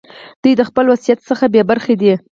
دوی د خپل وضعیت څخه بې خبره دي.